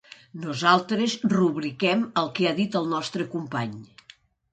Nosaltres rubriquem el que ha dit el nostre company.